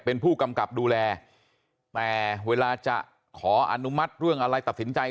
เป็นผู้กำกับดูแลแต่เวลาจะขออนุมัติเรื่องอะไรตัดสินใจ